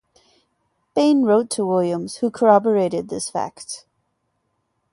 Bain wrote to Williams who corroborated this fact.